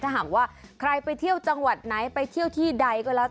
ถ้าหากว่าใครไปเที่ยวจังหวัดไหนไปเที่ยวที่ใดก็แล้ว